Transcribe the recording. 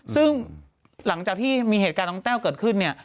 ซึ่งหลังจากที่มีเหตุการณ์น้องแต้วเกิดขึ้นเนี่ย